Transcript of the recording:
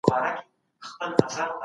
ايا ته ونې ته اوبه ورکوې؟